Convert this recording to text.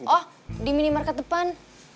oh di minimarket depan